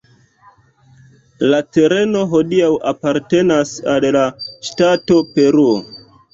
La tereno hodiaŭ apartenas al la ŝtato Peruo.